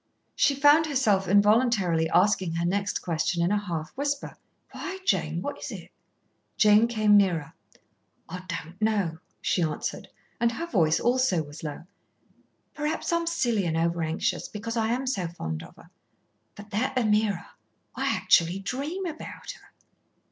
She found herself involuntarily asking her next question in a half whisper. "Why, Jane, what is it?" Jane came nearer. "I don't know," she answered, and her voice also was low. "Perhaps I'm silly and overanxious, because I am so fond of her. But that Ameerah, I actually dream about her."